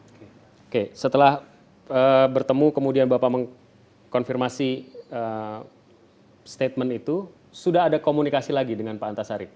oke oke setelah bertemu kemudian bapak mengkonfirmasi statement itu sudah ada komunikasi lagi dengan pak antasari